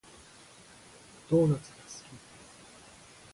ドーナツが好き